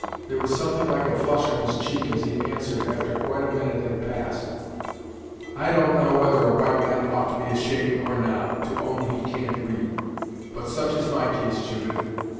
There was something like a flush on his cheek as he answered, after quite a minute had passed. "I don't know whether a white man ought to be ashamed, or not, to own he can't read, but such is my case, Judith.